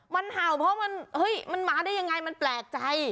มันเห่าเพราะมันเฮ้ยมันมาได้ยังไงมันแปลกใจ